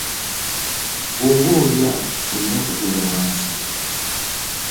Bwoba olya emmere olina okutuula wansi.